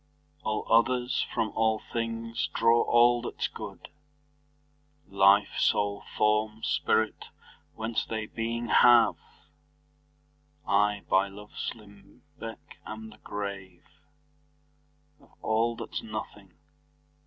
All others, from all things, draw all that's good, Life, soule, forme, spirit, whence they beeing have; I, by loves limbecke, am the grave Of all, that's nothing.